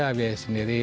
iya biaya sendiri